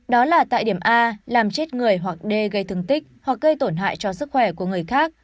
đó là tại điểm a làm chết người hoặc d gây thương tích hoặc gây tổn hại cho sức khỏe của người khác